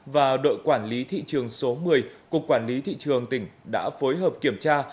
và đội quản lý thị trường số một mươi cục quản lý thị trường tỉnh đã phối hợp kiểm tra